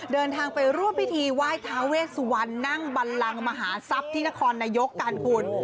เดินทางไปรวมปฏิวัยทาเวศวรนั่งบันลังมหาศัพท์ที่นครนายกการบุญ